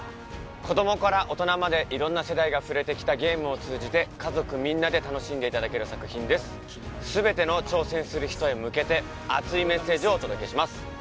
子どもから大人まで色んな世代が触れてきたゲームを通じて家族みんなで楽しんでいただける作品です全ての挑戦する人へ向けて熱いメッセージをお届けします